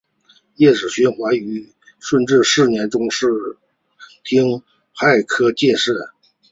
叶子循于顺治四年中式丁亥科进士。